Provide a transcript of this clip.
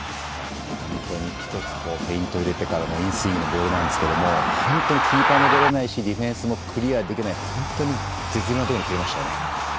本当に１つフェイントを入れてからのゴール前なんですけど本当にキーパーも出れないしディフェンスもクリアできない本当に絶妙なところに蹴りましたよね。